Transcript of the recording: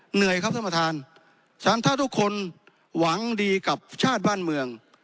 เหนื่อยครับท่านประธานฉะนั้นถ้าทุกคนหวังดีกับชาติบ้านเมือง